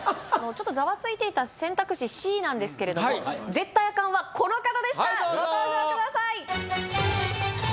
ちょっとざわついていた選択肢Ｃなんですけれどもはいどうぞご登場ください